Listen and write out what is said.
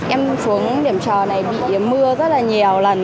em xuống điểm chở này bị mưa rất là nhiều lần